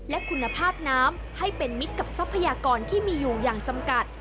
และคุณภาพน้ำให้เป็นมิตรกับทรัพยากรที่มีอยู่อย่างจำกัด